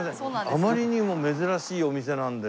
あまりにも珍しいお店なので。